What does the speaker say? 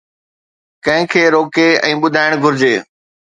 ڪنهن کي روڪي ۽ ٻڌائڻ گهرجي.